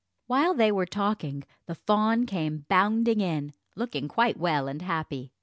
While they were talking, the fawn came bounding in, looking quite well and happy.